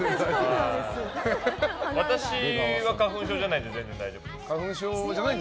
私は花粉症じゃないので全然大丈夫です。